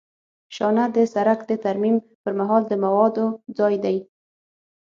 شانه د سرک د ترمیم پر مهال د موادو ځای دی